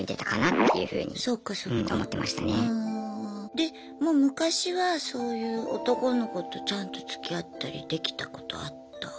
でもう昔はそういう男の子とちゃんとつきあったりできたことあった？